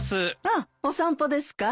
ああお散歩ですか？